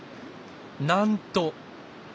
なんと！